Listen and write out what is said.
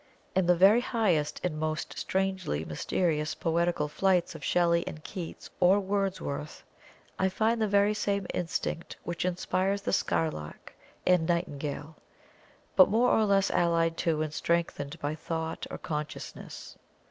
In the very highest and most strangely mysterious poetical flights of SHELLEY and KEATS, or WORDSWORTH, I find the very same Instinct which inspires the skylark and nightingale, but more or less allied to and strengthened by Thought or Consciousness.